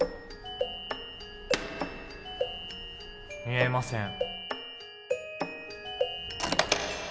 見えません。